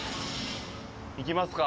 行きますか。